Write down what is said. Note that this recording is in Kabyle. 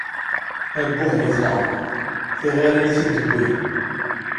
Abbuh, ay at leεṛaḍ! Tiɣirin i t-id-wwin!